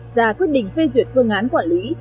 ra quyết định phê duyệt phương án quản lý